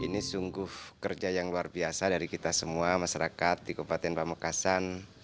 ini sungguh kerja yang luar biasa dari kita semua masyarakat di kabupaten pamekasan